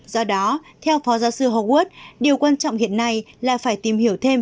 do đó theo phó giáo sư huốt điều quan trọng hiện nay là phải tìm hiểu thêm